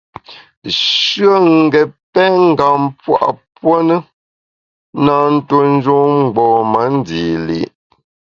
Shùe n’ gét pèn ngam pua puo ne, na ntuo njun mgbom-a ndi li’.